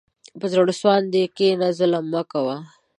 په زړه سواندي کښېنه، ظلم مه کوه.